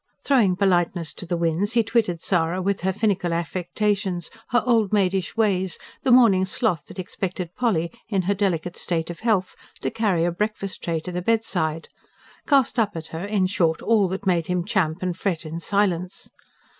Throwing politeness to the winds, he twitted Sara with her finical affectations, her old maidish ways, the morning sloth that expected Polly, in her delicate state of health, to carry a breakfast tray to the bedside: cast up at her, in short, all that had made him champ and fret in silence.